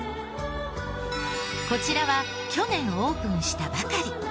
こちらは去年オープンしたばかり。